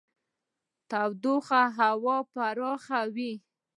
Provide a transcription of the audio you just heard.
تودوخه هوا پراخوي.